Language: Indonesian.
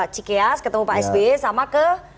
cikeas ketemu pak sby sama ke